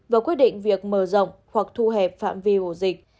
và quyết định việc mở rộng hoặc thu hẹp phạm vi ổ dịch